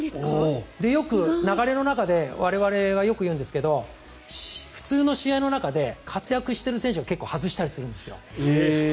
よく流れの中で我々がよく言うんですけど普通の試合の中で活躍している選手が結構外したりするんですよ。